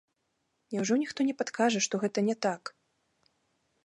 Няўжо ніхто не падкажа, што гэта не так?